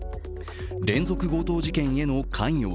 連続強盗事件への関与は。